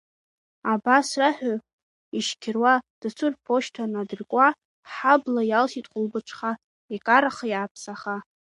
Абас раҳәо ишьқьыруа, дасу рԥошьҭа надыркуа, ҳҳабла иалсит хәылбыҽха, икараха, иааԥсаха.